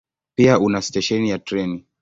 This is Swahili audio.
Pia una stesheni ya treni.